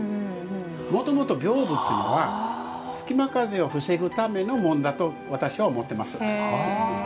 もともと、びょうぶというのは隙間風を防ぐためのもんだと私は思ってます。